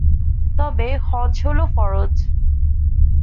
তবে হজ হল ফরজ।